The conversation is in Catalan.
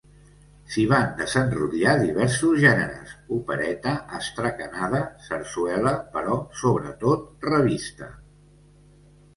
S'hi van desenrotllar diversos gèneres: opereta, astracanada, sarsuela però sobretot revista.